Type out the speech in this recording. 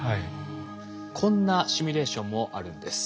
こんなシミュレーションもあるんです。